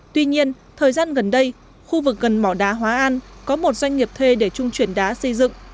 tuy nhiên thời gian gần đây khu vực gần mỏ đá hóa an có một doanh nghiệp thuê để trung chuyển đá xây dựng